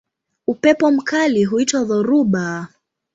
Upepo mkali huitwa dhoruba.